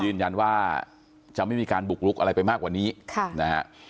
ยืนยันว่าจะไม่มีการบุกลุกอะไรไปมากกว่านี้ค่ะนะฮะ